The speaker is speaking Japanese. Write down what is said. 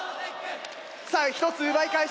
さあ１つ奪い返しました。